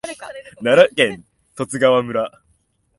奈良県十津川村